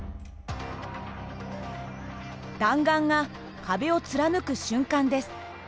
弾丸が壁を貫く瞬間です。